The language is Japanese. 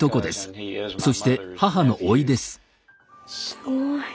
すごい。